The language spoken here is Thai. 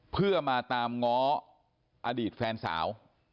เพื่อมาตามง้ออดีตแฟนสาว